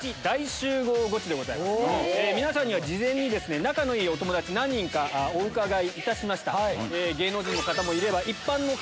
皆さんには事前に仲のいいお友達何人かお伺いしました。